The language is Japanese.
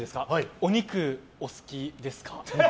お肉、お好きですか？